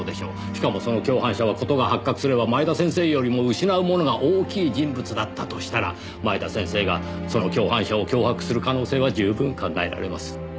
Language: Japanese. しかもその共犯者は事が発覚すれば前田先生よりも失うものが大きい人物だったとしたら前田先生がその共犯者を脅迫する可能性は十分考えられます。